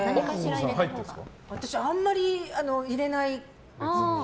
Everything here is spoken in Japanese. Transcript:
私はあまり入れない。